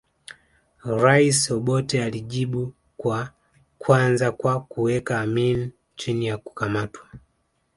Rais Obote alijibu kwa kwanza kwa kuweka Amin chini ya kukamatwa